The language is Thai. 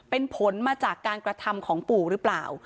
เป็นผลมาจากการกระทำของปู่หรือเปล่า